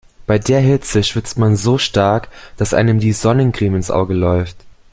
Bei der Hitze schwitzt man so stark, dass einem die Sonnencreme ins Auge läuft.